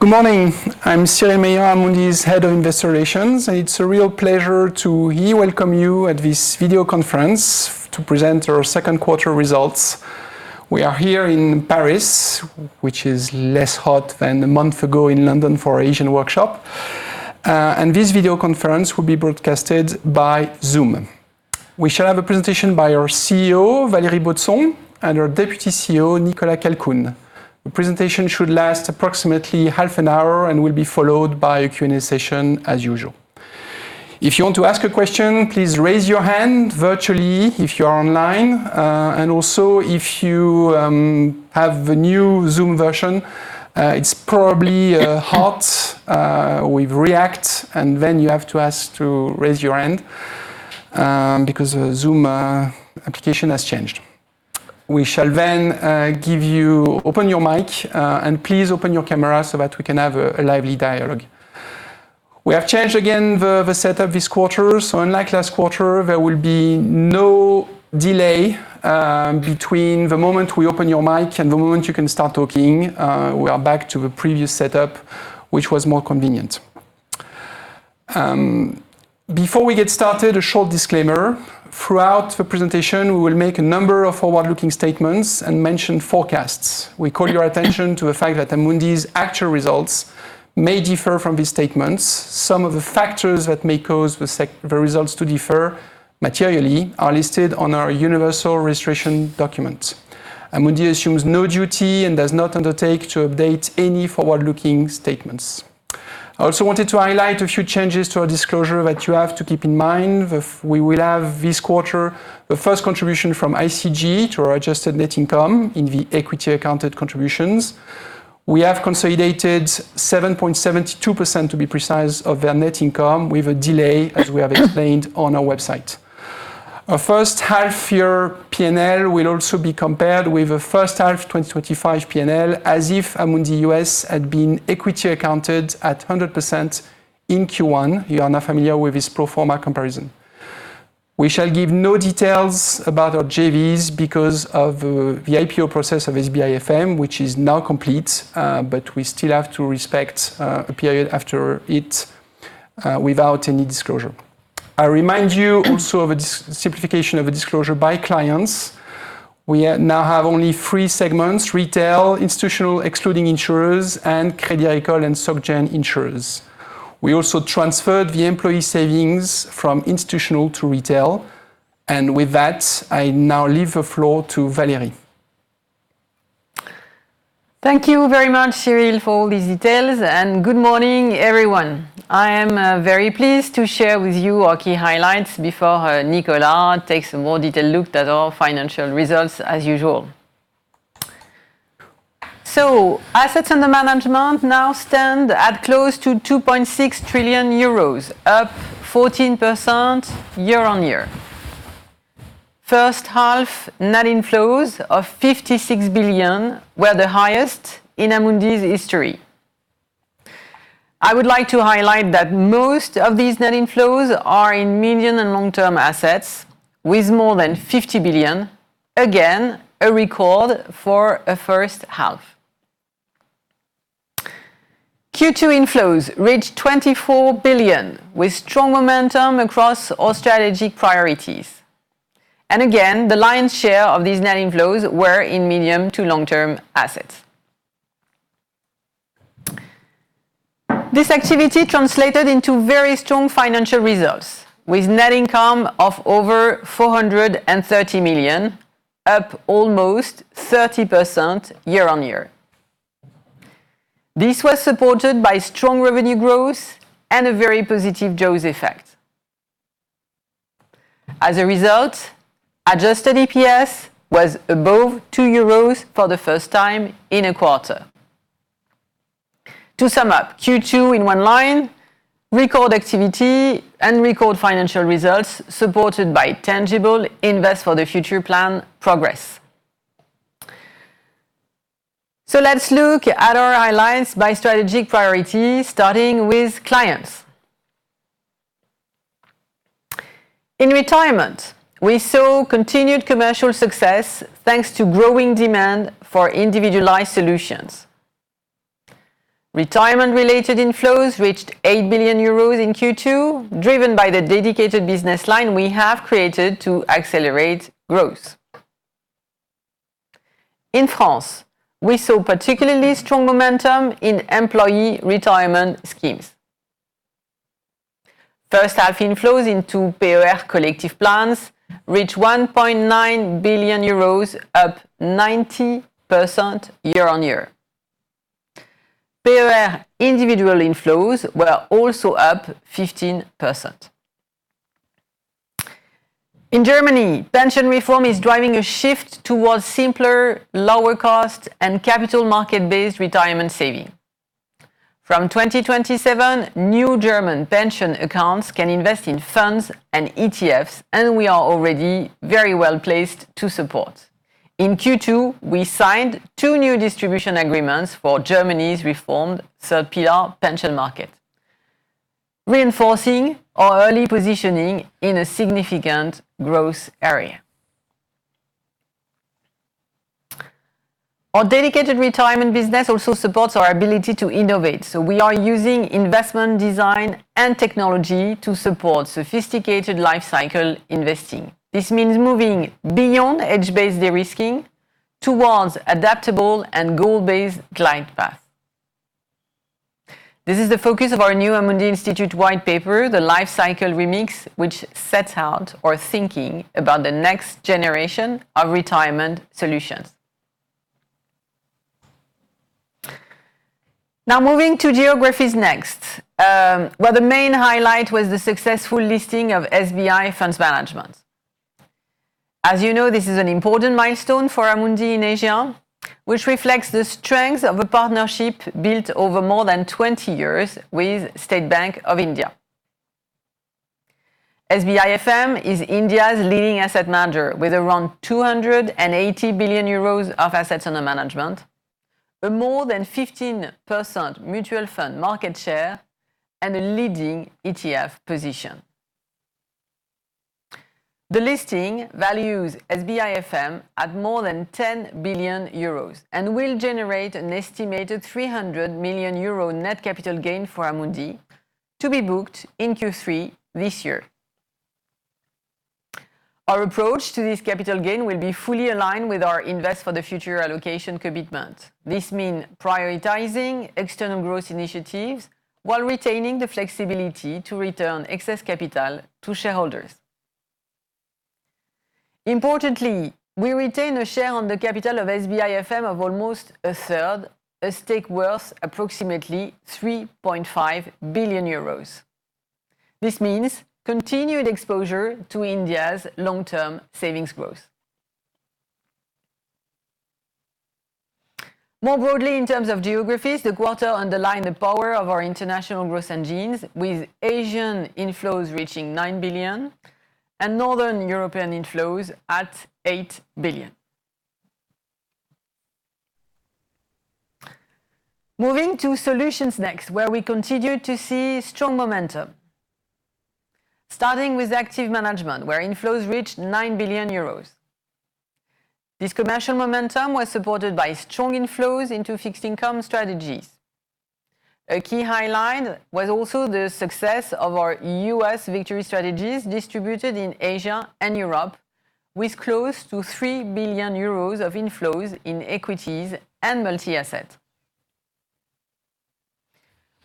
Good morning. I'm Cyril Meilland, Amundi's Head of Investor Relations, it's a real pleasure to e-welcome you at this video conference to present our second quarter results. We are here in Paris, which is less hot than a month ago in London for our Asian workshop. This video conference will be broadcasted by Zoom. We shall have a presentation by our CEO, Valérie Baudson, and our Deputy CEO, Nicolas Calcoen. The presentation should last approximately half an hour and will be followed by a Q&A session as usual. If you want to ask a question, please raise your hand virtually if you are online, also if you have the new Zoom version, it's probably hot with React, then you have to ask to raise your hand, because Zoom application has changed. We shall then open your mic, please open your camera so that we can have a lively dialogue. We have changed again the setup this quarter. Unlike last quarter, there will be no delay between the moment we open your mic and the moment you can start talking. We are back to the previous setup, which was more convenient. Before we get started, a short disclaimer. Throughout the presentation, we will make a number of forward-looking statements and mention forecasts. We call your attention to the fact that Amundi's actual results may differ from these statements. Some of the factors that may cause the results to differ materially are listed on our universal registration document. Amundi assumes no duty and does not undertake to update any forward-looking statements. I also wanted to highlight a few changes to our disclosure that you have to keep in mind. We will have this quarter, the first contribution from ICG to our adjusted net income in the equity accounted contributions. We have consolidated 7.72%, to be precise, of their net income with a delay, as we have explained on our website. Our first half-year P&L will also be compared with the first half 2025 P&L, as if Amundi U.S. Had been equity accounted at 100% in Q1. You are now familiar with this pro forma comparison. We shall give no details about our JVs because of the IPO process of SBI FM, which is now complete, but we still have to respect a period after it without any disclosure. I remind you also of a simplification of a disclosure by clients. We now have only three segments: Retail, Institutional, excluding insurers, and Crédit Agricole and SocGen insurers. We also transferred the employee savings from institutional to retail. With that, I now leave the floor to Valérie. Good morning, everyone. I am very pleased to share with you our key highlights before Nicolas takes a more detailed look at our financial results as usual. Assets under management now stand at close to 2.6 trillion euros, up 14% year-on-year. First half net inflows of 56 billion were the highest in Amundi's history. I would like to highlight that most of these net inflows are in medium- and long-term assets with more than 50 billion, again, a record for a first half. Q2 inflows reached 24 billion with strong momentum across all strategic priorities. Again, the lion's share of these net inflows were in medium-to long-term assets. This activity translated into very strong financial results with net income of over 430 million, up almost 30% year-on-year. This was supported by strong revenue growth and a very positive jaws effect. As a result, adjusted EPS was above 2 euros for the first time in a quarter. To sum up, Q2 in one line, record activity and record financial results supported by tangible Invest for the Future plan progress. Let's look at our highlights by strategic priority, starting with clients. In retirement, we saw continued commercial success thanks to growing demand for individualized solutions. Retirement-related inflows reached 8 billion euros in Q2, driven by the dedicated business line we have created to accelerate growth. In France, we saw particularly strong momentum in employee retirement schemes. First half inflows into PER collectif plans reached 1.9 billion euros, up 90% year-on-year. PER individual inflows were also up 15%. In Germany, pension reform is driving a shift towards simpler, lower cost, and capital market-based retirement saving. From 2027, new German pension accounts can invest in funds and ETFs. We are already very well-placed to support. In Q2, we signed two new distribution agreements for Germany's reformed third pillar pension market, reinforcing our early positioning in a significant growth area. Our dedicated retirement business also supports our ability to innovate. We are using investment design and technology to support sophisticated life cycle investing. This means moving beyond age-based de-risking towards adaptable and goal-based glide path. This is the focus of our new Amundi Institute white paper, The Life Cycle Remix which sets out our thinking about the next generation of retirement solutions. Moving to geographies next, where the main highlight was the successful listing of SBI Funds Management. As you know, this is an important milestone for Amundi in Asia, which reflects the strength of a partnership built over more than 20 years with State Bank of India. SBI FM is India's leading asset manager, with around 280 billion euros of assets under management, a more than 15% mutual fund market share, and a leading ETF position. The listing values SBI FM at more than 10 billion euros and will generate an estimated 300 million euro net capital gain for Amundi to be booked in Q3 this year. Our approach to this capital gain will be fully aligned with our Invest for the Future allocation commitment. This means prioritizing external growth initiatives while retaining the flexibility to return excess capital to shareholders. Importantly, we retain a share on the capital of SBI FM of almost a third, a stake worth approximately 3.5 billion euros. This means continued exposure to India's long-term savings growth. More broadly, in terms of geographies, the quarter underlined the power of our international growth engines, with Asian inflows reaching 9 billion and Northern European inflows at 8 billion. Moving to solutions next, where we continued to see strong momentum. Starting with active management, where inflows reached 9 billion euros. This commercial momentum was supported by strong inflows into fixed income strategies. A key highlight was also the success of our U.S. Victory strategies distributed in Asia and Europe, with close to 3 billion euros of inflows in equities and multi-asset.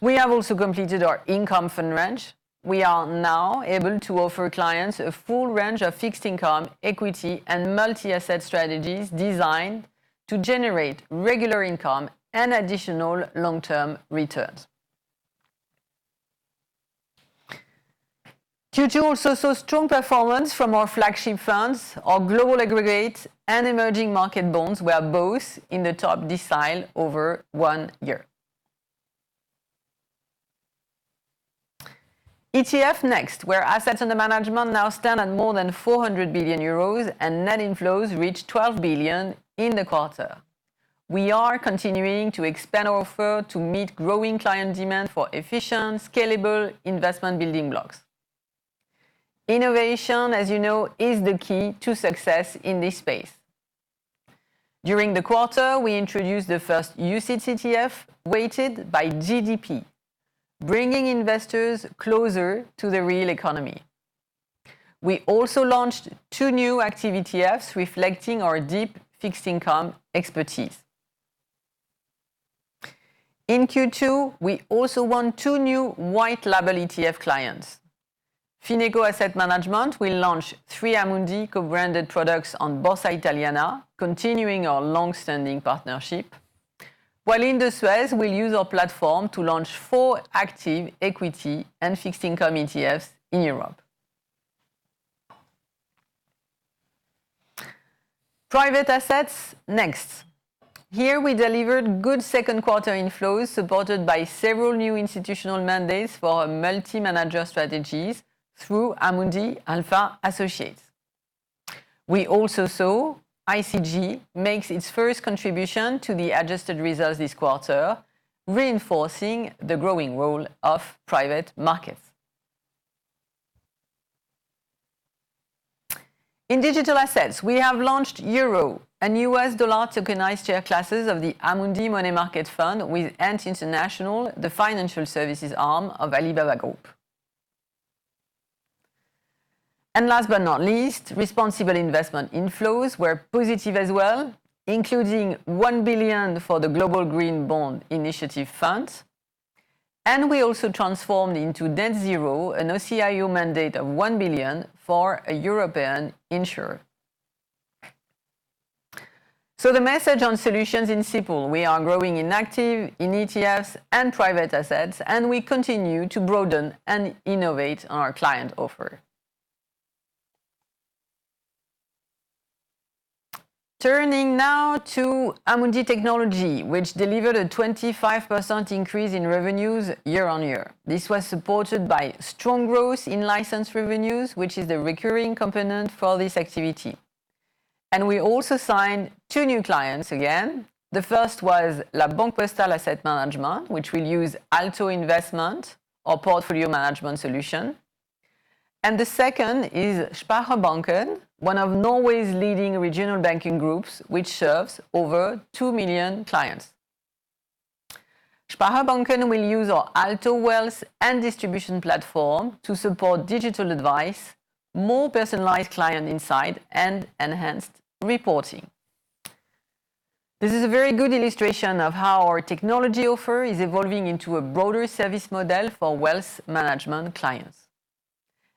We have also completed our income fund range. We are now able to offer clients a full range of fixed income, equity, and multi-asset strategies designed to generate regular income and additional long-term returns. Q2 also saw strong performance from our flagship funds. Our global aggregate and emerging market bonds were both in the top decile over one year. ETF next, where assets under management now stand at more than 400 billion euros and net inflows reach 12 billion in the quarter. We are continuing to expand our offer to meet growing client demand for efficient, scalable investment building blocks. Innovation, as you know, is the key to success in this space. During the quarter, we introduced the first UCITS ETF weighted by GDP, bringing investors closer to the real economy. We also launched two new active ETFs reflecting our deep fixed income expertise. In Q2, we also won two new white label ETF clients. Fineco Asset Management will launch three Amundi co-branded products on Borsa Italiana, continuing our long-standing partnership, while Industrials will use our platform to launch four active equity and fixed income ETFs in Europe. Private assets next. Here, we delivered good second quarter inflows supported by several new institutional mandates for our multi-manager strategies through Amundi Alpha Associates. We also saw ICG makes its first contribution to the adjusted results this quarter, reinforcing the growing role of private markets. In digital assets, we have launched euro and U.S. dollar tokenized share classes of the Amundi Money Market Fund with Ant International, the financial services arm of Alibaba Group. Last but not least, responsible investment inflows were positive as well, including 1 billion for the Global Green Bond Initiative Fund. We also transformed into net zero an OCIO mandate of 1 billion for a European insurer. The message on solutions is simple. We are growing in active, in ETFs, and private assets, and we continue to broaden and innovate our client offer. Turning now to Amundi Technology, which delivered a 25% increase in revenues year-on-year. This was supported by strong growth in license revenues, which is the recurring component for this activity. We also signed two new clients, again. The first was La Banque Postale Asset Management, which will use ALTO Investment, our portfolio management solution. The second is Sparebanken, one of Norway's leading regional banking groups, which serves over 2 million clients. Sparebanken will use our ALTO Wealth & Distribution platform to support digital advice, more personalized client insight, and enhanced reporting. This is a very good illustration of how our technology offer is evolving into a broader service model for wealth management clients.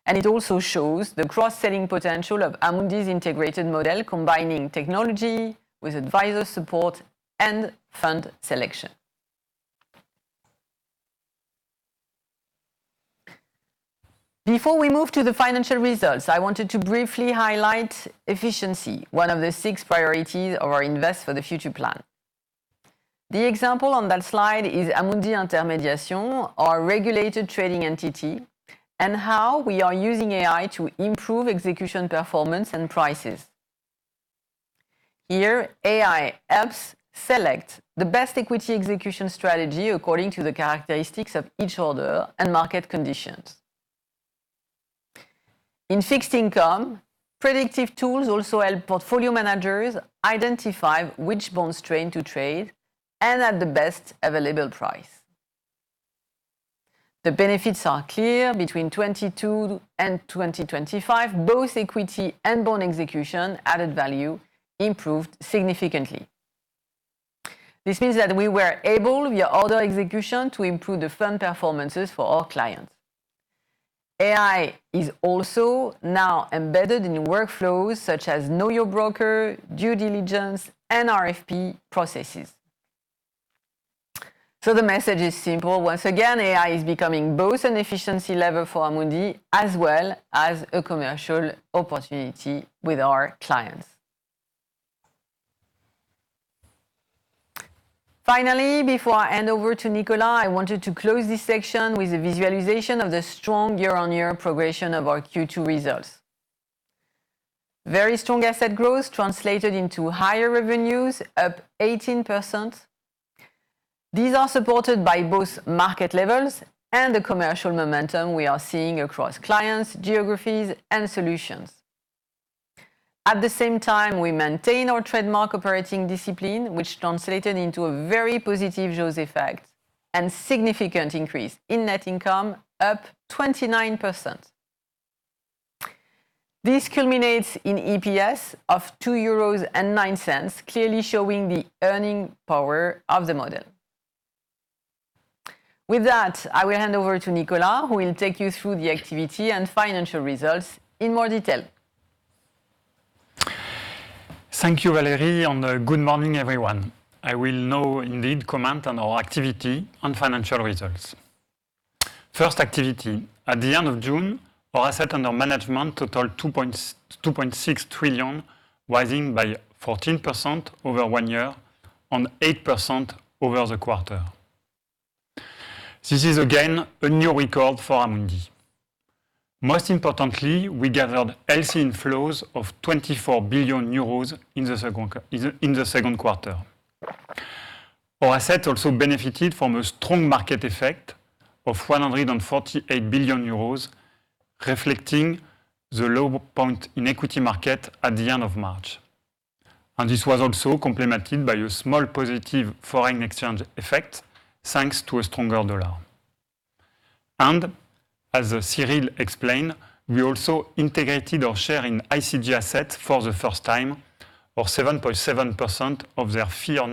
It also shows the cross-selling potential of Amundi's integrated model, combining technology with advisor support and fund selection. Before we move to the financial results, I wanted to briefly highlight efficiency, one of the six priorities of our Invest for the Future plan. The example on that slide is Amundi Intermediation, our regulated trading entity, and how we are using AI to improve execution, performance, and prices. Here, AI helps select the best equity execution strategy according to the characteristics of each order and market conditions. In fixed income, predictive tools also help portfolio managers identify which bonds tend to trade and at the best available price. The benefits are clear. Between 2022 and 2025, both equity and bond execution added value improved significantly. This means that we were able, via order execution, to improve the fund performances for all clients. AI is also now embedded in workflows such as Know Your Broker, due diligence, and RFP processes. The message is simple. Once again, AI is becoming both an efficiency lever for Amundi, as well as a commercial opportunity with our clients. Finally, before I hand over to Nicolas, I wanted to close this section with a visualization of the strong year-on-year progression of our Q2 results. Very strong asset growth translated into higher revenues, up 18%. These are supported by both market levels and the commercial momentum we are seeing across clients, geographies, and solutions. At the same time, we maintain our trademark operating discipline, which translated into a very positive jaws effect and significant increase in net income, up 29%. This culminates in EPS of 2.09 euros, clearly showing the earning power of the model. With that, I will hand over to Nicolas, who will take you through the activity and financial results in more detail. Thank you, Valérie, and good morning, everyone. I will now indeed comment on our activity on financial results. First, activity. At the end of June, our assets under management totaled EUR 2.6 trillion, rising by 14% over one year and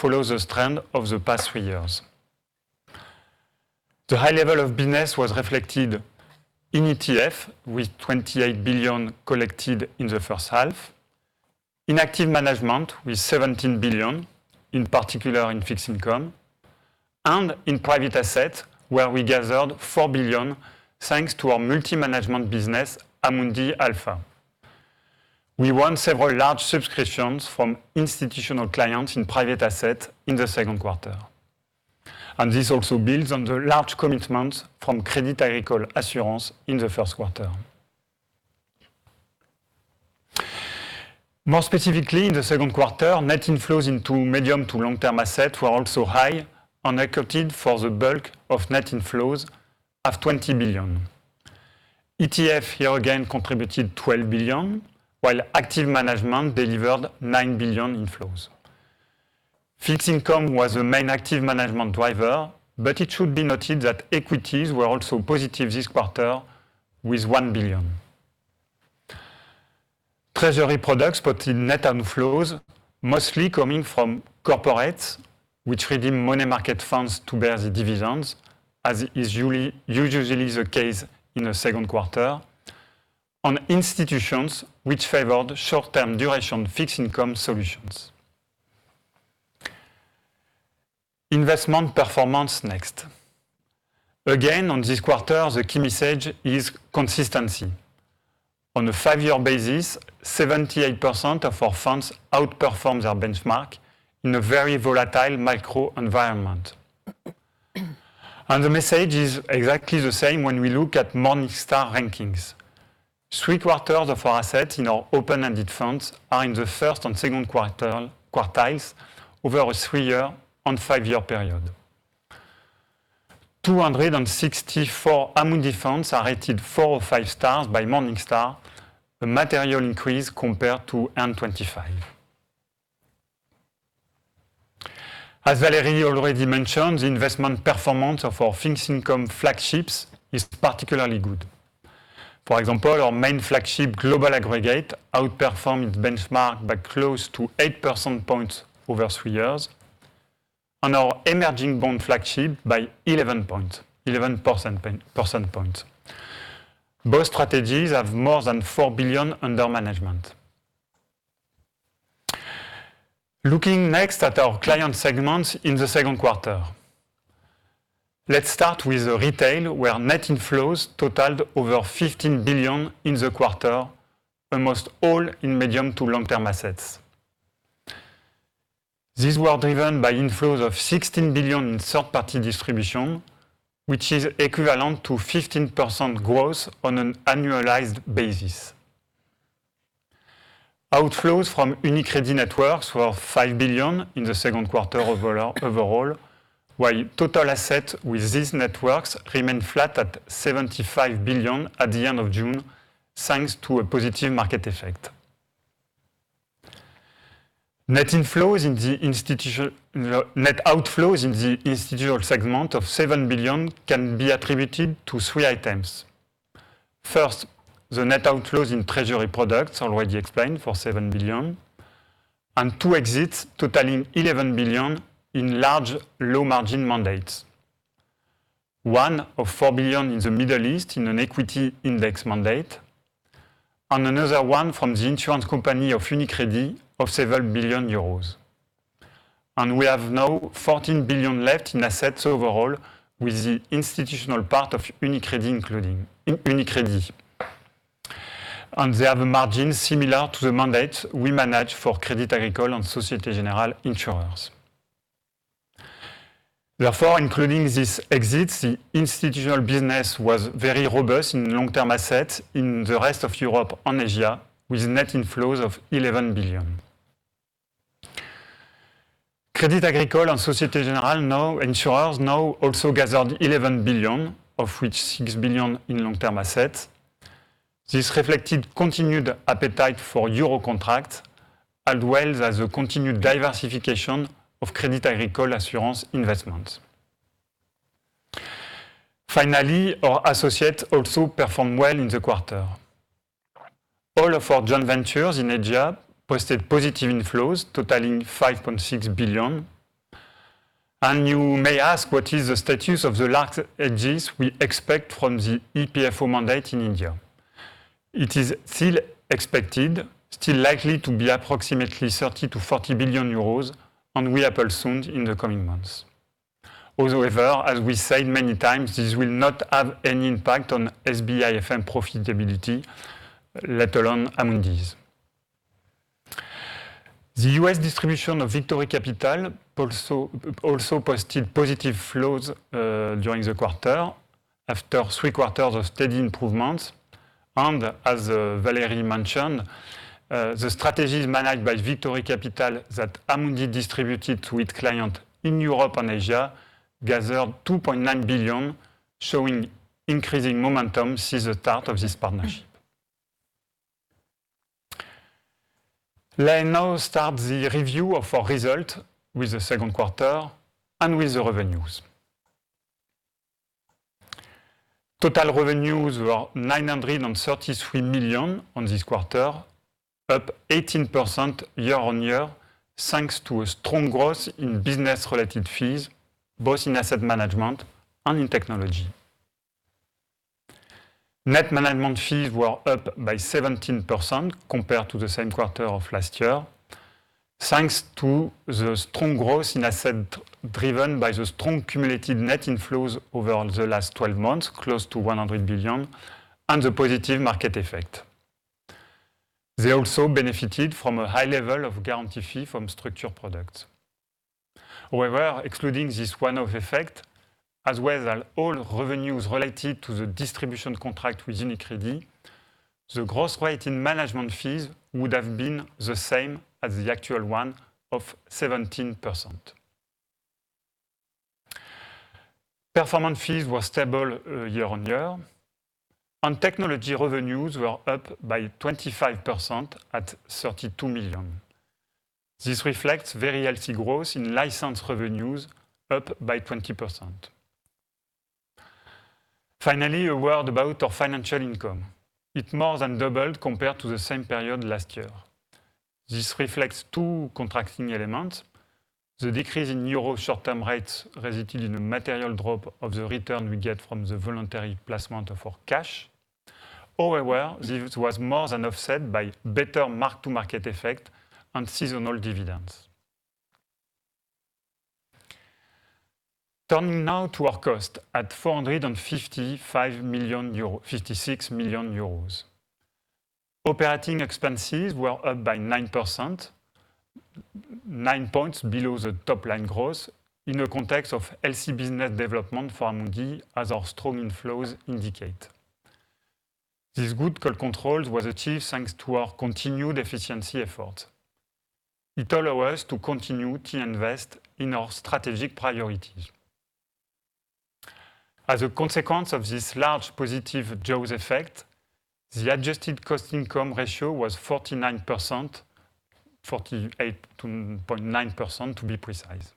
momentum follows the trend of the past three years. The high level of business was reflected in ETF, with 28 billion collected in the first half, in active management with 17 billion, in particular in fixed income, and in private asset, where we gathered 4 billion, thanks to our multi-management business, Amundi Alpha. We won several large subscriptions from institutional clients in private asset in the second quarter. This also builds on the large commitment from Crédit Agricole Assurances in the first quarter. More specifically, in the second quarter, net inflows into medium- to long-term assets were also high and accounted for the bulk of net inflows of 20 billion. ETF here again contributed 12 billion, while active management delivered 9 billion inflows. Fixed income was the main active management driver, but it should be noted that equities were also positive this quarter with 1 billion. Treasury products posted net outflows, mostly coming from corporates, which redeem money market funds to bear the dividends, as is usually the case in the second quarter, on institutions which favored short-term duration fixed income solutions. Investment performance next. Again, on this quarter, the key message is consistency. On a five-year basis, 78% of our Let's start with retail, where net inflows totaled over 15 billion in the quarter, almost all in medium- to long-term assets. These were driven by inflows of 16 billion in third-party distribution, which is equivalent to 15% growth on an annualized basis. Outflows from UniCredit networks were 5 billion in the second quarter overall, while total assets with these networks remained flat at 75 billion at the end of June, thanks to a positive market effect. Net outflows in the institutional segment of 7 billion can be attributed to three items. First, the net outflows in treasury products already explained for 7 billion, and two exits totaling 11 billion in large, low-margin mandates. One of 4 billion in the Middle East in an equity index mandate, and another one from the insurance company and we appeal soon in the coming months. Also, however, as we said many times, this will not have any impact on SBI FM profitability, let alone Amundi's. The U.S. distribution of Victory Capital also posted positive flows during the quarter after three quarters of steady improvements. As Valérie mentioned, the strategies managed by Victory Capital that Amundi distributed to its client in Europe and Asia gathered 2.9 billion, showing increasing momentum since the start of this partnership. Let now start the review of our result with the second quarter and with the revenues. Total revenues were 933 million on this quarter, up 18% year-over-year thanks to a strong growth in business-related fees, both in asset management and in technology. Net management fees were up by 17% compared to the same quarter of last year, thanks to the strong growth in asset driven by the strong cumulative net inflows over the last 12 months, close to 100 billion. The positive 9 points below the top-line growth in a context of LC business development for Amundi, as our strong inflows indicate. This good cost control was achieved thanks to our continued efficiency effort. It allow us to continue to invest in our strategic priorities. As a consequence of this large positive jaws effect, the adjusted cost-income ratio was 49%, 48.9% to be precise.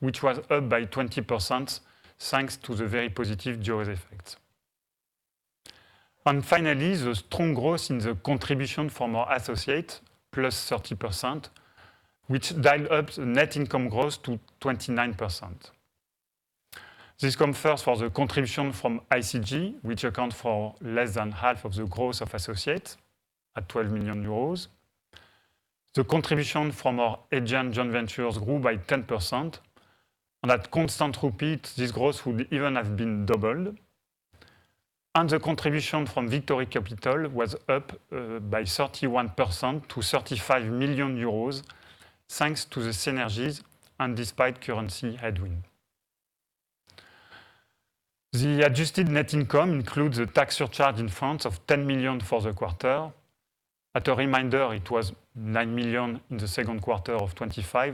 Finally, our adjusted net income reached an all-time high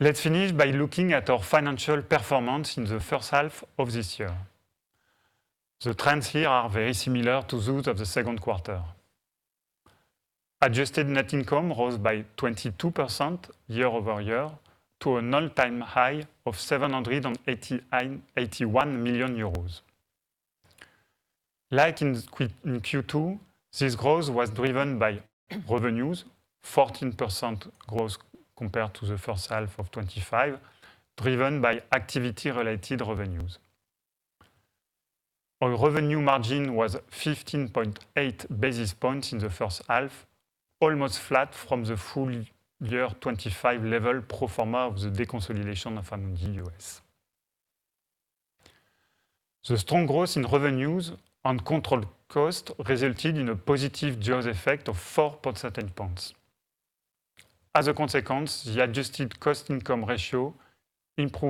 Let's finish by looking at our financial performance in the first half of this year. The trends here are very similar to those of the second quarter. Adjusted net income rose by 22% year-over-year to an all-time high of 781 million euros. Like in Q2, this growth was driven by revenues, 14% growth compared to the first half of 2025, driven by activity-related revenues. Our revenue margin was 15.8 basis points in the first half, almost flat from the full-year 2025 level pro forma of the deconsolidation of Amundi U.S.. The strong growth in revenues and controlled cost resulted in a positive jaws effect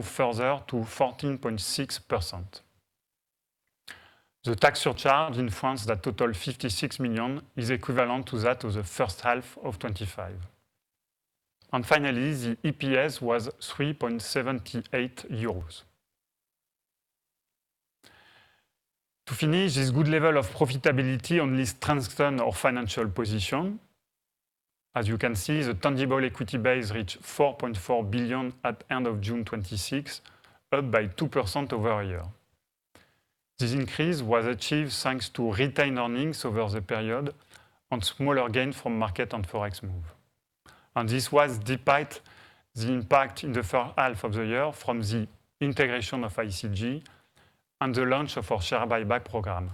of 4 percentage points. As a consequence, the adjusted cost-income ratio improved further to 14.6%. The tax surcharge in France that totaled EUR 56 million is equivalent to that of the first half of 2025. Finally, the EPS was EUR 3.78. To finish, this good level of profitability only strengthen our financial position. As you can see, the tangible equity base reached 4.4 billion at end of June 2026, up by 2% over a year. This increase was achieved thanks to retained earnings over the period and smaller gain from market and Forex move. This was despite the impact in the first half of the year from the integration of ICG and the launch of our share buyback program,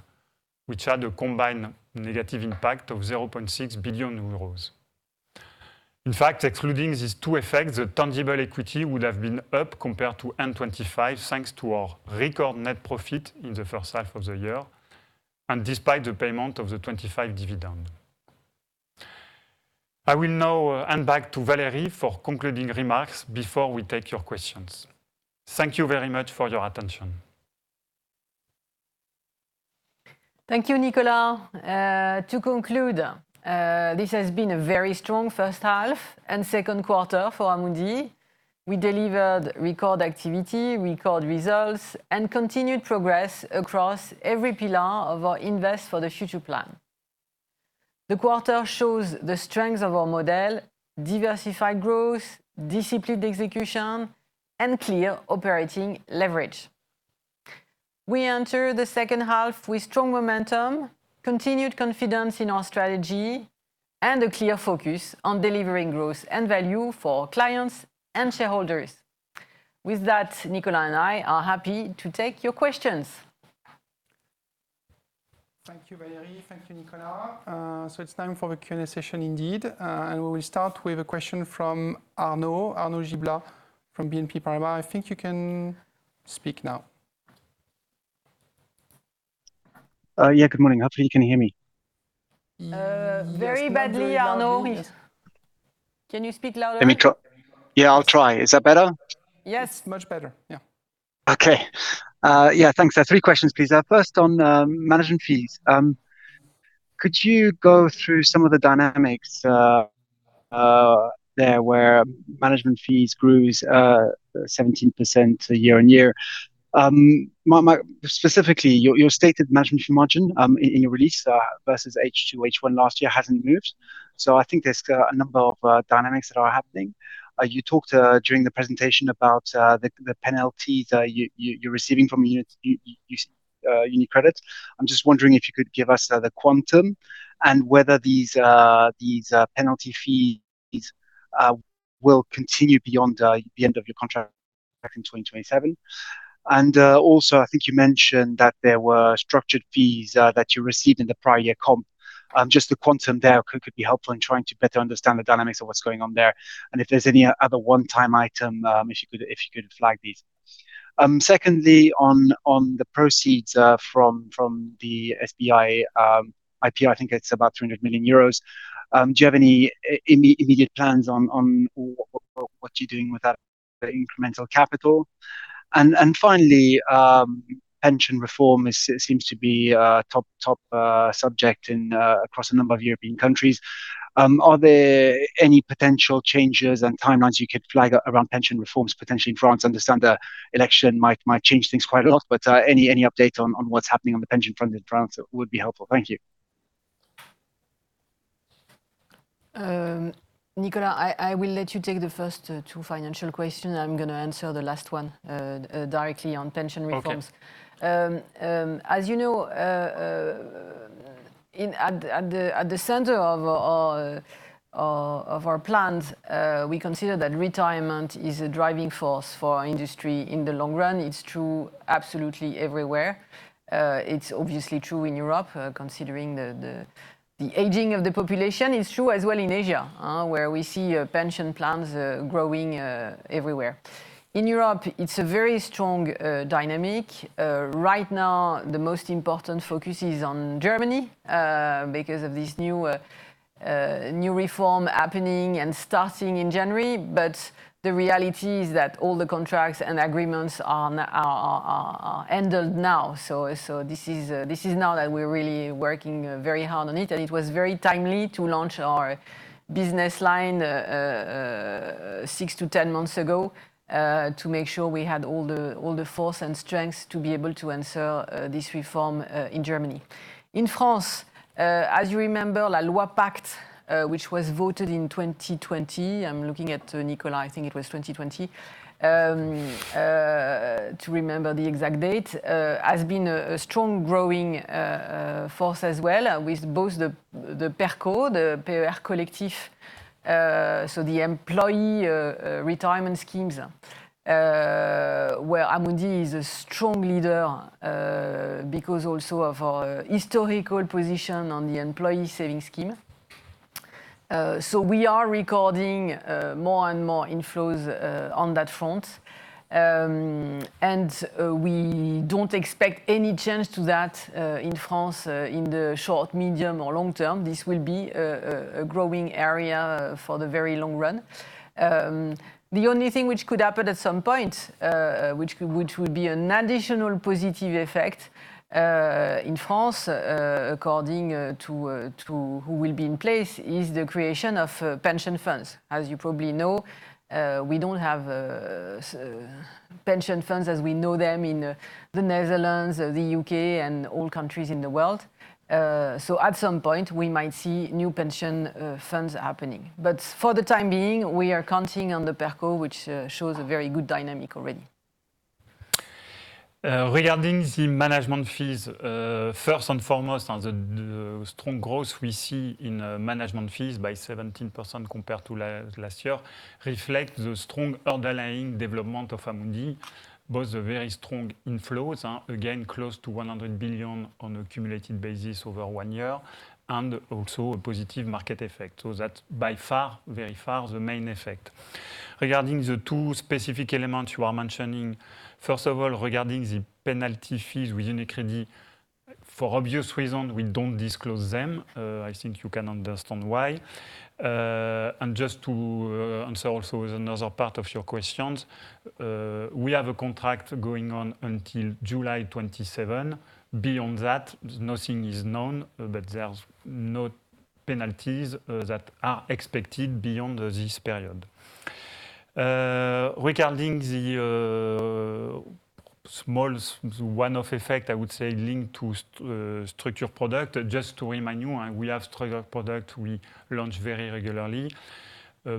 which had a combined negative impact of 0.6 billion euros. In fact, excluding these two effects, the tangible equity would have been up compared to end 2025, thanks to our record net profit in the first half of the year and despite the payment of the 2025 dividend. I will now hand back to Valérie for concluding remarks before we take your questions. Thank you very much for your attention. Thank you, Nicolas. To conclude, this has been a very strong first half and second quarter for Amundi. We delivered record activity, record results, and continued progress across every pillar of our Invest for the Future plan. The quarter shows the strength of our model, diversified growth, disciplined execution, clear operating leverage. We enter the second half with strong momentum, continued confidence in our strategy, a clear focus on delivering growth and value for our clients and shareholders. With that, Nicolas and I are happy to take your questions. Thank you, Valérie. Thank you, Nicolas. It's time for the Q&A session, indeed. We will start with a question from Arnaud, Arnaud Giblat from BNP Paribas. I think you can speak now. Yeah. Good morning. Hopefully you can hear me. Very badly, Arnaud. Yes, we are hearing you. Can you speak louder? Let me try. Yeah, I'll try. Is that better? Yes. Much better. Yeah. Okay. Yeah. Thanks. Three questions, please. First on management fees. Could you go through some of the dynamics there where management fees grew 17% year-on-year? Specifically, your stated management fee margin in your release versus H2-H1 last year hasn't moved. I think there's a number of dynamics that are happening. You talked during the presentation about the penalties you're receiving from UniCredit. I'm just wondering if you could give us the quantum and whether these penalty fees will continue beyond the end of your contract back in 2027. Also, I think you mentioned that there were structured fees that you received in the prior year comp. Just the quantum there could be helpful in trying to better understand the dynamics of what's going on there, and if there's any other one-time item, if you could flag these. Secondly, on the proceeds from the SBI IPO, I think it's about 300 million euros. Do you have any immediate plans on what you're doing with that incremental capital? Finally, pension reform seems to be a top subject across a number of European countries. Are there any potential changes and timelines you could flag around pension reforms potentially in France? I understand the election might change things quite a lot, but any update on what's happening on the pension front in France would be helpful. Thank you. Nicolas, I will let you take the first two financial questions. I'm going to answer the last one directly on pension reforms. Okay. As you know, at the center of our plans, we consider that retirement is a driving force for our industry in the long run. It's true absolutely everywhere. It's obviously true in Europe, considering the aging of the population. It's true as well in Asia, where we see pension plans growing everywhere. In Europe, it's a very strong dynamic. Right now, the most important focus is on Germany, because of this new reform happening and starting in January. The reality is that all the contracts and agreements are handled now. This is now that we're really working very hard on it, and it was very timely to launch our business line 6 to 10 months ago, to make sure we had all the force and strength to be able to answer this reform in Germany. In France, as you remember, la Loi PACTE, which was voted in 2020. I'm looking at Nicolas, I think it was 2020, to remember the exact date, has been a strong growing force as well with both the PERCO, the PER collectif, the employee retirement schemes, where Amundi is a strong leader because also of our historical position on the employee savings scheme. We are recording more and more inflows on that front. We don't expect any change to that in France in the short-, medium-, or long-term. This will be a growing area for the very long run. The only thing which could happen at some point, which would be an additional positive effect, in France, according to who will be in place, is the creation of pension funds. As you probably know, we don't have pension funds as we know them in the Netherlands, or the U.K., and all countries in the world. At some point, we might see new pension funds happening. For the time being, we are counting on the PERCO, which shows a very good dynamic already. Regarding the management fees, first and foremost on the strong growth we see in management fees by 17% compared to last year reflects the strong underlying development of Amundi. Both the very strong inflows, again close to 100 billion on a cumulative basis over one year, and also a positive market effect. That by far, very far, the main effect. Regarding the two specific elements you are mentioning, first of all, regarding the penalty fees with UniCredit, for obvious reasons, we don't disclose them. I think you can understand why. Just to answer also with another part of your questions, we have a contract going on until July 27. Beyond that, nothing is known, but there's no penalties that are expected beyond this period. Regarding the small one-off effect, I would say linked to structured products, just to remind you, we have structured products we launch very regularly. We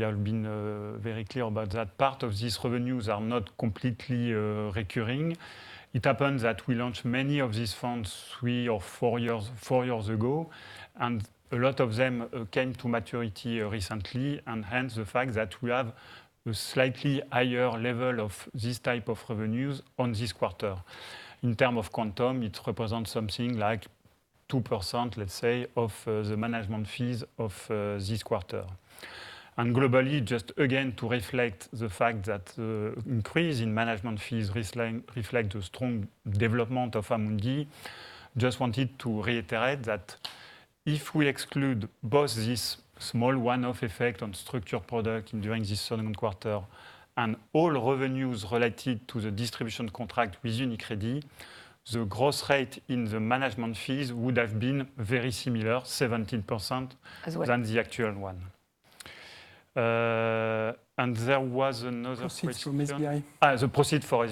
have been very clear about that. Part of these revenues are not completely recurring. It happens that we launched many of these funds three or four years ago, and a lot of them came to maturity recently, and hence the fact that we have a slightly higher level of this type of revenues on this quarter. In terms of quantum, it represents something like 2% let's say, of the management fees of this quarter. Globally, just again, to reflect the fact that increase in management fees reflect a strong development of Amundi, just wanted to reiterate that if we exclude both this small one-off effect on structured products during this second quarter and all revenues related to the distribution contract with UniCredit, the gross rate in the management fees would have been very similar, 17%. As well than the actual one. There was another question. Proceed from SBI. The proceed from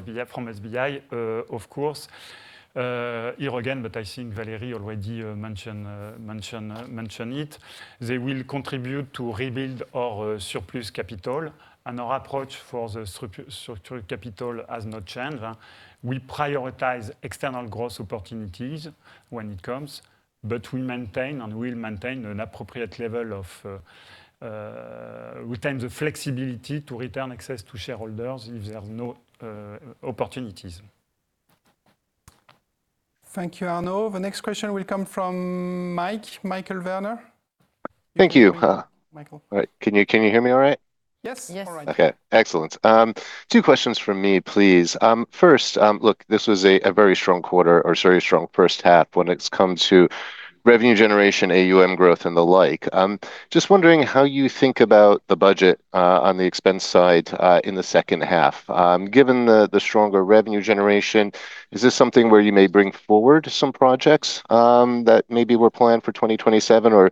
SBI, of course. Here again, I think Valérie already mentioned it. They will contribute to rebuild our surplus capital and our approach for the structural capital has not changed. We prioritize external growth opportunities when it comes, we maintain and will maintain an appropriate level of, we term, the flexibility to return access to shareholders if there are no opportunities. Thank you, Arnaud. The next question will come from Mike, Michael Werner. Thank you. Michael. All right. Can you hear me all right? Yes. Yes. Okay, excellent. Two questions from me, please. First, look, this was a very strong quarter or very strong first half when it's come to revenue generation, AuM growth, and the like. Just wondering how you think about the budget on the expense side in the second half. Given the stronger revenue generation, is this something where you may bring forward some projects that maybe were planned for 2027 or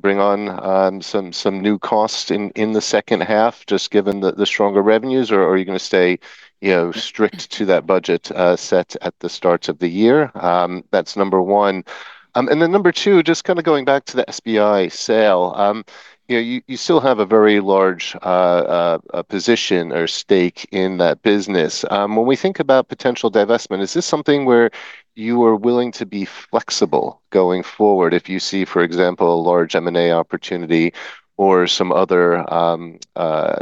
bring on some new costs in the second half, just given the stronger revenues, or are you going to stay strict to that budget set at the start of the year? That's number one. Then number two, just going back to the SBI sale. You still have a very large position or stake in that business. When we think about potential divestment, is this something where you are willing to be flexible going forward if you see, for example, a large M&A opportunity or some other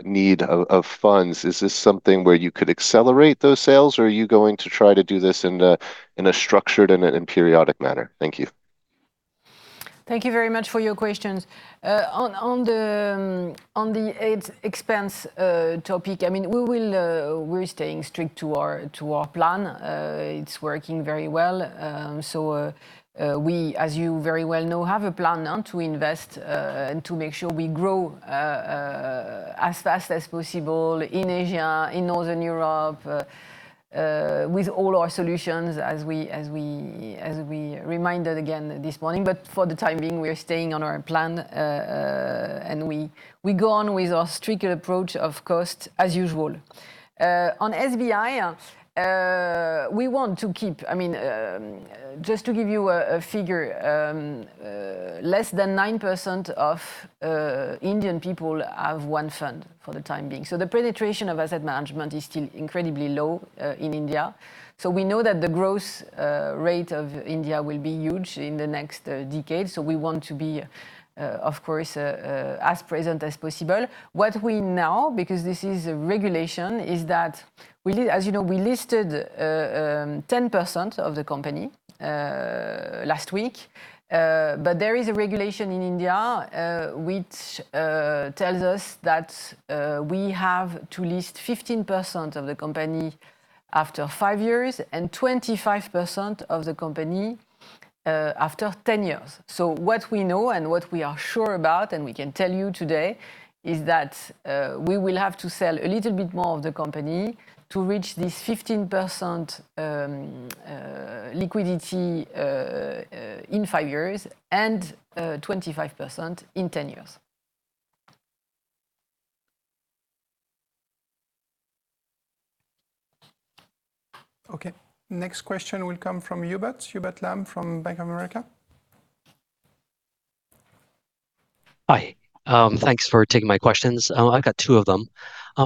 need of funds? Is this something where you could accelerate those sales, or are you going to try to do this in a structured and in periodic manner? Thank you. Thank you very much for your questions. On the expense topic, we're staying strict to our plan. It's working very well. We, as you very well know, have a plan to invest and to make sure we grow as fast as possible in Asia, in Northern Europe, with all our solutions as we reminded again this morning, for the time being, we are staying on our plan. We go on with our stricter approach of cost as usual. On SBI, Just to give you a figure, less than 9% of Indian people have one fund for the time being. The penetration of asset management is still incredibly low in India. We know that the growth rate of India will be huge in the next decade. We want to be, of course, as present as possible. What we know, because this is a regulation, is that, as you know, we listed 10% of the company last week. There is a regulation in India, which tells us that we have to list 15% of the company after five years and 25% of the company after 10 years. What we know and what we are sure about, and we can tell you today, is that we will have to sell a little bit more of the company to reach this 15% liquidity in five years and 25% in 10 years. Okay. Next question will come from Hubert Lam from Bank of America. Hi, thanks for taking my questions. I've got two of them.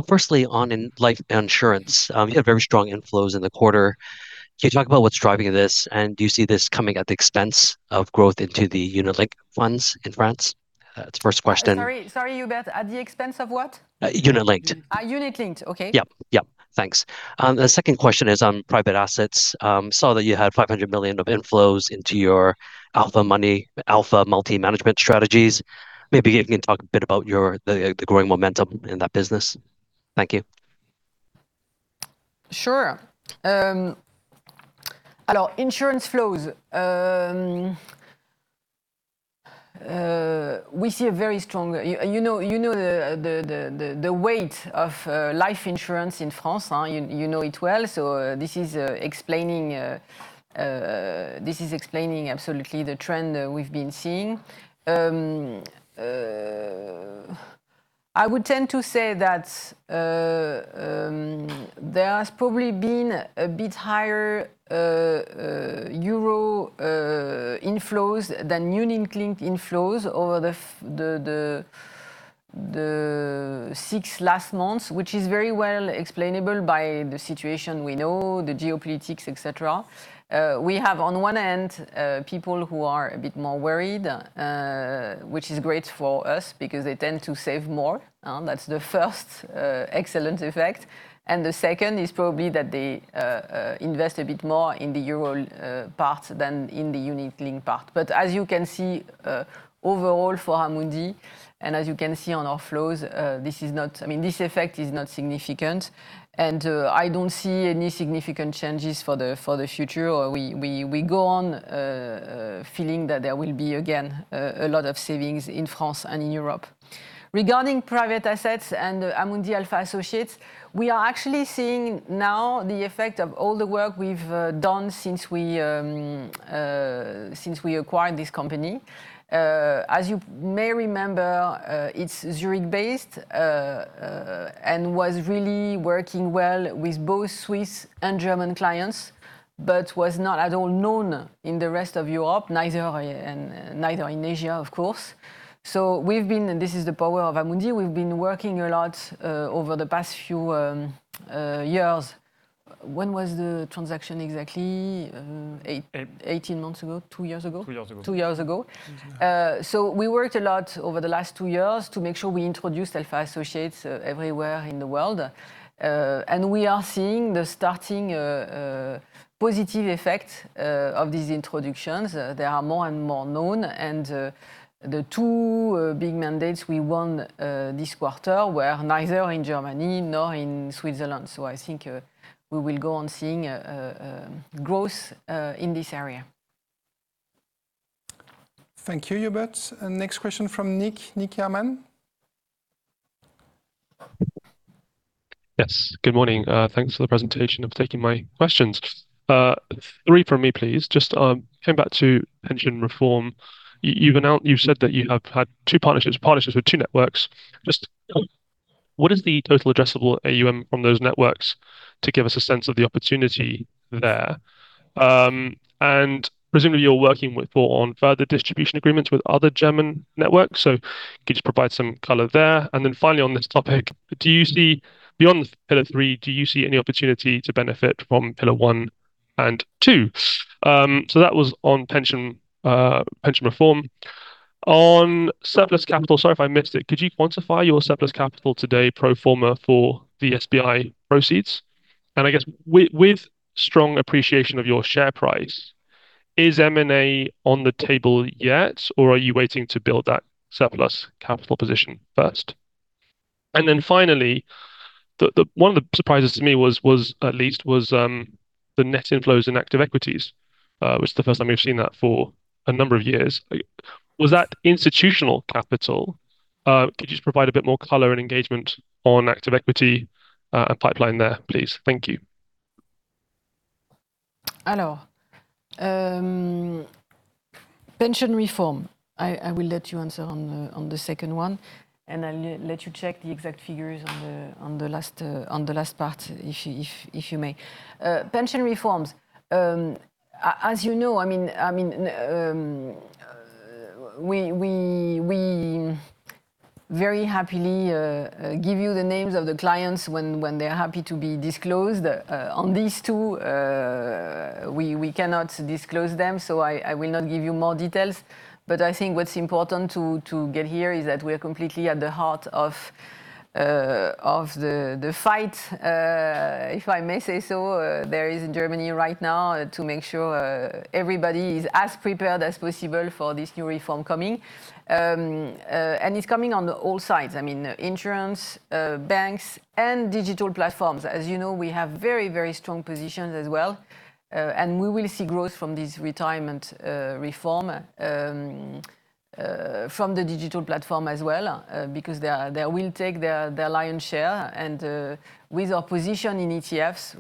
Firstly, on life insurance, you had very strong inflows in the quarter. Can you talk about what's driving this, and do you see this coming at the expense of growth into the unit-linked funds in France? That's the first question. Sorry, Hubert. At the expense of what? Unit-linked. Unit-linked. Okay. Yep. Thanks. The second question is on private assets. Saw that you had 500 million of inflows into your Alpha Money, alpha multi-management strategies. Maybe you can talk a bit about the growing momentum in that business. Thank you. Sure. Insurance flows. We see a very strong You know the weight of life insurance in France. You know it well. This is explaining absolutely the trend we've been seeing. I would tend to say that there has probably been a bit higher euro inflows than unit-linked inflows over the six last months, which is very well explainable by the situation we know, the geopolitics, et cetera. We have, on one end, people who are a bit more worried, which is great for us because they tend to save more. That's the first excellent effect. The second is probably that they invest a bit more in the euro part than in the unit-linked part. As you can see, overall for Amundi, as you can see on our flows, this effect is not significant. I don't see any significant changes for the future. We go on feeling that there will be, again, a lot of savings in France and in Europe. Regarding private assets and Amundi Alpha Associates, we are actually seeing now the effect of all the work we've done since we acquired this company. As you may remember, it's Zurich-based, was really working well with both Swiss and German clients, was not at all known in the rest of Europe, neither in Asia, of course. We've been, this is the power of Amundi, we've been working a lot over the past few years. When was the transaction exactly? 18 months ago? Two years ago? Two years ago. Two years ago. We worked a lot over the last two years to make sure we introduced Alpha Associates everywhere in the world. We are seeing the starting positive effect of these introductions. They are more and more known, the two big mandates we won this quarter were neither in Germany nor in Switzerland. I think we will go on seeing a growth in this area. Thank you, Hubert. Next question from [Nick Yaman]. Yes. Good morning. Thanks for the presentation, and for taking my questions. Three from me, please. Coming back to pension reform. You've said that you have had two partnerships with two networks. What is the total addressable AuM from those networks to give us a sense of the opportunity there? Presumably, you're working with or on further distribution agreements with other German networks, could you provide some color there? Finally on this topic, beyond Pillar 3, do you see any opportunity to benefit from Pillar 1 and 2? That was on pension reform. On surplus capital, sorry if I missed it, could you quantify your surplus capital today pro forma for the SBI proceeds? I guess with strong appreciation of your share price, is M&A on the table yet, or are you waiting to build that surplus capital position first? Finally, one of the surprises to me, at least, was the net inflows in active equities. It's the first time we've seen that for a number of years. Was that institutional capital? Could you provide a bit more color and engagement on active equity and pipeline there, please? Thank you. Pension reform. I will let you answer on the second one, and I'll let you check the exact figures on the last part, if you may. Pension reforms. As you know, we very happily give you the names of the clients when they're happy to be disclosed. On these two, we cannot disclose them, I will not give you more details. I think what's important to get here is that we are completely at the heart of the fight, if I may say so. There is in Germany right now to make sure everybody is as prepared as possible for this new reform coming. It's coming on the all sides. Insurance, banks, and digital platforms. As you know, we have very strong positions as well, and we will see growth from this retirement reform from the digital platform as well, because they will take the lion's share. With our position in ETFs,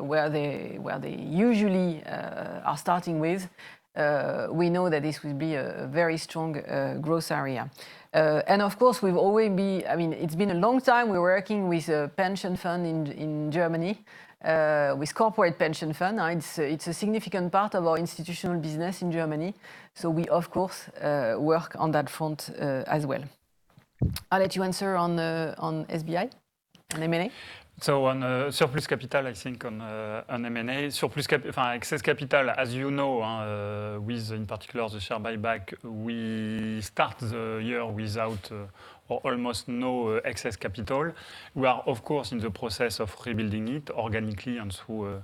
where they usually are starting with, we know that this will be a very strong growth area. Of course, it's been a long time, we're working with a pension fund in Germany, with corporate pension fund. It's a significant part of our institutional business in Germany, we of course, work on that front as well. I'll let you answer on SBI and M&A. On surplus capital, I think on M&A, surplus capital, excess capital, as you know, with in particular the share buyback, we start the year without, or almost no excess capital. We are, of course, in the process of rebuilding it organically and through,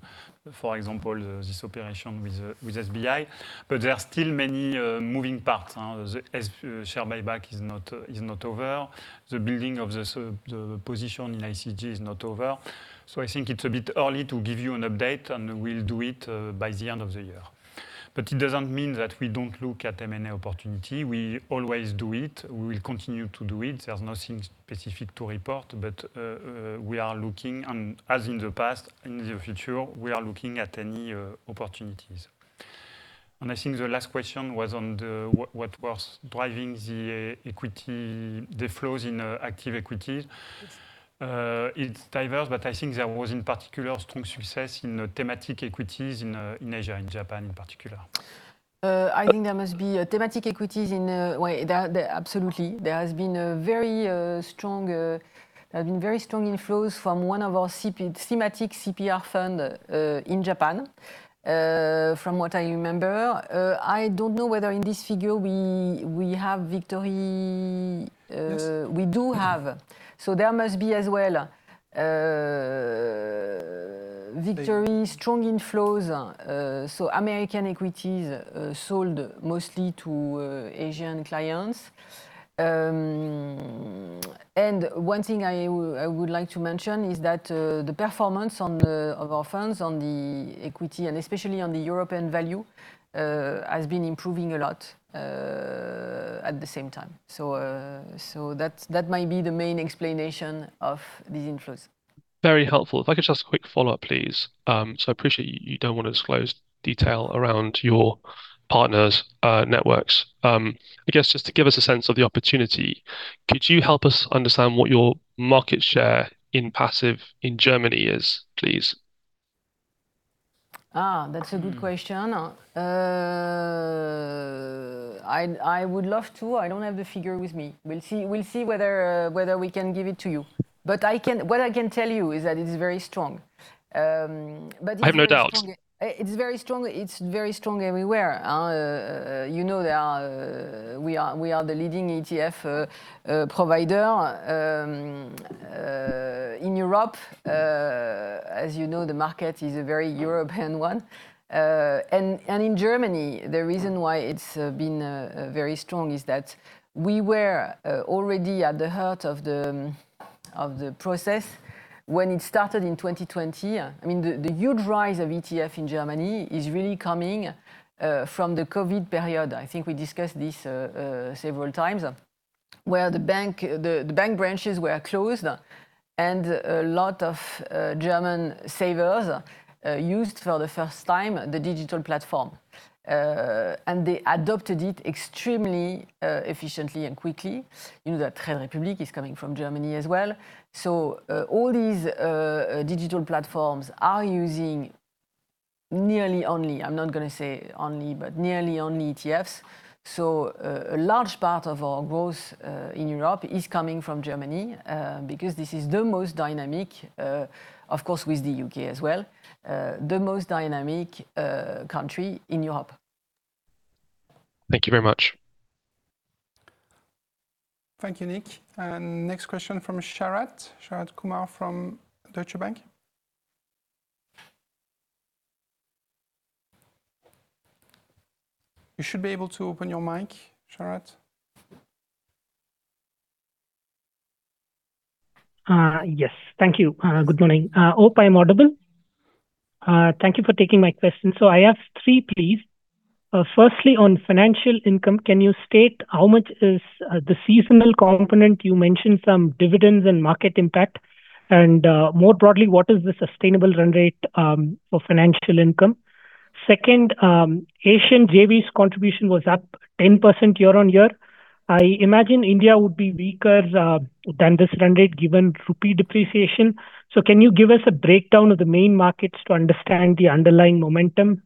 for example, this operation with SBI. There are still many moving parts, as share buyback is not over. The building of the position in ICG is not over. I think it's a bit early to give you an update, and we'll do it by the end of the year. It doesn't mean that we don't look at M&A opportunity. We always do it. We will continue to do it. There's nothing specific to report, but we are looking, and as in the past, in the future, we are looking at any opportunities. I think the last question was on what was driving the flows in active equities. It's diverse, but I think there was in particular strong success in thematic equities in Asia, in Japan in particular. I think there must be thematic equities in a way there absolutely. There has been very strong inflows from one of our thematic CPR fund in Japan, from what I remember. I don't know whether in this figure we have victory- Yes we do have. There must be as well, Victory, strong inflows. American equities sold mostly to Asian clients. One thing I would like to mention is that the performance of our funds on the equity, and especially on the European value, has been improving a lot at the same time. That might be the main explanation of these inflows. Very helpful. If I could just quick follow-up, please. I appreciate you don't want to disclose detail around your partners' networks. I guess just to give us a sense of the opportunity, could you help us understand what your market share in passive in Germany is, please? That's a good question. I would love to. I don't have the figure with me. We'll see whether we can give it to you. What I can tell you is that it is very strong. It's very strong- I have no doubt It's very strong everywhere. We are the leading ETF provider in Europe. As you know, the market is a very European one. In Germany, the reason why it's been very strong is that we were already at the heart of the process when it started in 2020. The huge rise of ETF in Germany is really coming from the COVID period, I think we discussed this several times, where the bank branches were closed, and a lot of German savers used, for the first time, the digital platform. They adopted it extremely efficiently and quickly. You know that Trade Republic is coming from Germany as well. All these digital platforms are using nearly only, I'm not going to say only, but nearly only ETFs. A large part of our growth in Europe is coming from Germany, because this is the most dynamic, of course, with the U.K. as well, the most dynamic country in Europe. Thank you very much. Thank you, Nick. Next question from Sharath. Sharath Kumar from Deutsche Bank. You should be able to open your mic, Sharath. Yes. Thank you. Good morning. Hope I'm audible. Thank you for taking my question. I ask three, please. Firstly, on financial income, can you state how much is the seasonal component? You mentioned some dividends and market impact. More broadly, what is the sustainable run-rate for financial income? Second, Asian JVs contribution was up 10% year-on-year. I imagine India would be weaker than this run-rate given rupee depreciation. Can you give us a breakdown of the main markets to understand the underlying momentum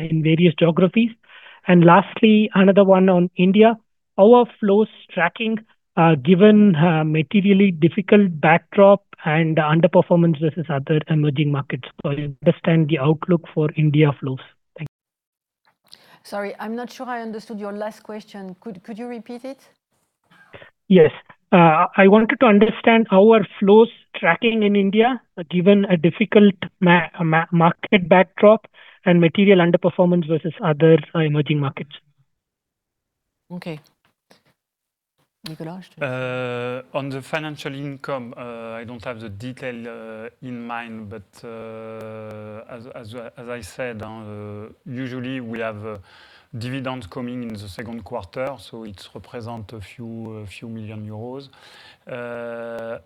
in various geographies? Lastly, another one on India. Our flows tracking, given materially difficult backdrop and underperformance versus other emerging markets. I understand the outlook for India flows. Thank you. Sorry, I'm not sure I understood your last question. Could you repeat it? Yes. I wanted to understand our flows tracking in India, given a difficult market backdrop and material underperformance versus other emerging markets. Okay. Nicolas. On the financial income, I don't have the detail in mind, but as I said, usually we have dividends coming in the second quarter, so it's represent a few million euros. The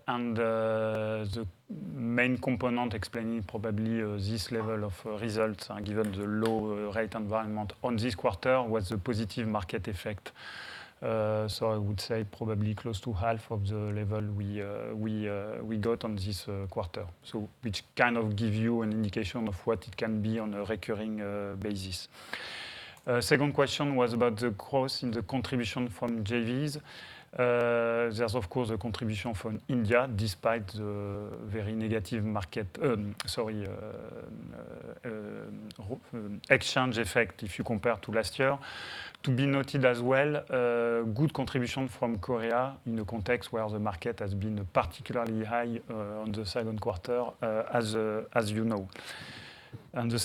main component explaining probably this level of results, given the low rate environment on this quarter, was the positive market effect. I would say probably close to half of the level we got on this quarter. Which kind of give you an indication of what it can be on a recurring basis. Second question was about the growth in the contribution from JVs. There's of course, a contribution from India, despite the very negative market sorry, exchange effect if you compare to last year. To be noted as well, good contribution from Korea in a context where the market has been particularly high on the second quarter, as you know. The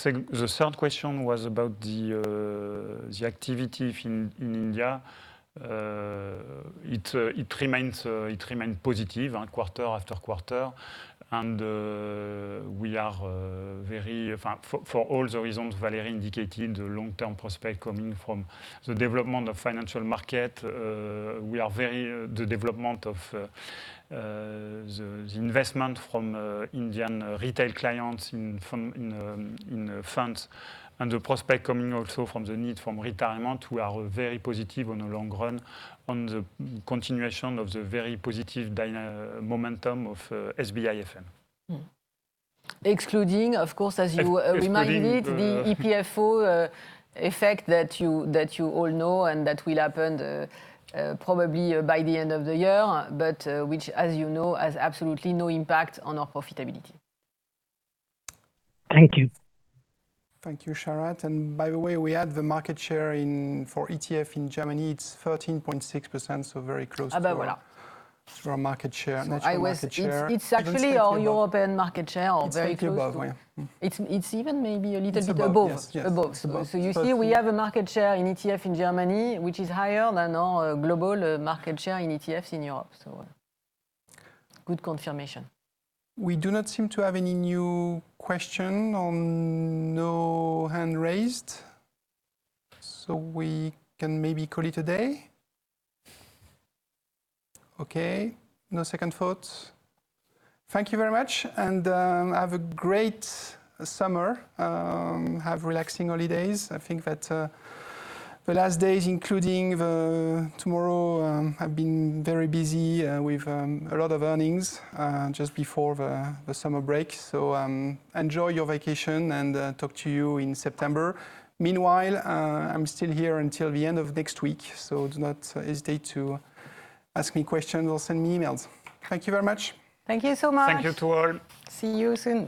third question was about the activity in India. It remains positive quarter-after-quarter. We are very, for all the reasons Valérie indicated, the long-term prospect coming from the development of financial market. The development of the investment from Indian retail clients in funds, and the prospect coming also from the need from retirement, we are very positive on the long run on the continuation of the very positive dynamic momentum of SBI FM. Excluding, of course, as you reminded- Excluding the- the EPFO effect that you all know and that will happen probably by the end of the year, but which, as you know, has absolutely no impact on our profitability. Thank you. Thank you, Sharath. By the way, we had the market share for ETF in Germany. It's 13.6%, very close to- About what? our market share, natural market share. It's actually our European market share or very close to. It's 50%above. Yeah. It's even maybe a little bit above. It's above, yes. Above. Above. You see, we have a market share in ETF in Germany, which is higher than our global market share in ETFs in Europe. Good confirmation. We do not seem to have any new question, or no hand raised. We can maybe call it a day. Okay, no second thoughts. Thank you very much and have a great summer. Have relaxing holidays. I think that the last days, including tomorrow, have been very busy with a lot of earnings just before the summer break. Enjoy your vacation and talk to you in September. Meanwhile, I'm still here until the end of next week, so do not hesitate to ask me questions or send me emails. Thank you very much. Thank you so much. Thank you to all. See you soon.